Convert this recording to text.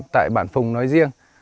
tại bản phùng nói riêng